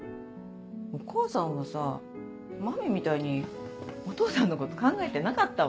お母さんはさ麻美みたいにお父さんのこと考えてなかったわ。